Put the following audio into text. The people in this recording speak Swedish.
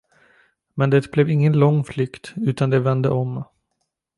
Men det blev ingen lång flykt, utan de vände om.